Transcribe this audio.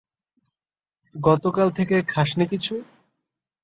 গতকাল থেকে খাসনি কিছু?